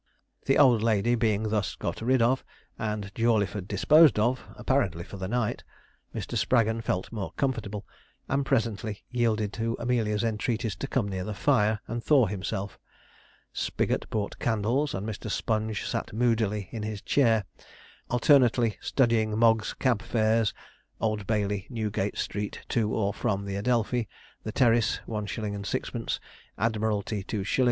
The old lady being thus got rid of, and Jawleyford disposed of apparently for the night Mr. Spraggon felt more comfortable, and presently yielded to Amelia's entreaties to come near the fire and thaw himself. Spigot brought candles, and Mr. Sponge sat moodily in his chair, alternately studying Mogg's Cab Fares 'Old Bailey, Newgate Street, to or from the Adelphi, the Terrace, 1_s._ 6_d._; Admiralty, 2_s.